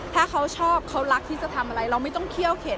ถ้าเขาชอบเขารักที่จะทำอะไรเราไม่ต้องเคี่ยวเข็ด